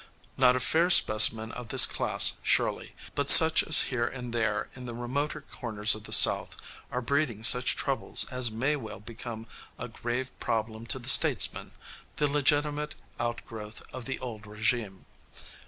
Not a fair specimen of this class, surely, but such as here and there, in the remoter corners of the South, are breeding such troubles as may well become a grave problem to the statesman the legitimate outgrowth of the old régime.